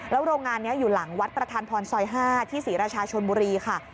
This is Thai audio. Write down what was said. โรงงานนี้อยู่หลังวัดประธานพรซอย๕ที่ศรีราชาชนบุรีค่ะ